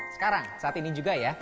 sekarang saat ini juga ya